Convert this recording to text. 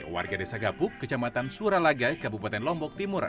warga desa gapuk kecamatan suralaga kabupaten lombok timur